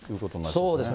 そうですね。